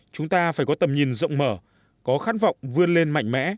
chúng ta phải có tầm nhìn rộng mở có khát vọng vươn lên mạnh mẽ